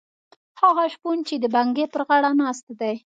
هغه شپون چې د بنګي پر غاړه ناست دی.